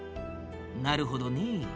なるほどねえ。